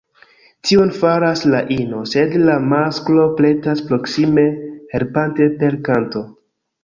Tion faras la ino, sed la masklo pretas proksime helpante “per kanto”.